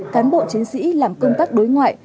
cán bộ chiến sĩ làm công tác đối ngoại